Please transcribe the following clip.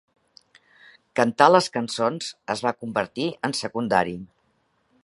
Cantar les cançons es va convertir en secundari.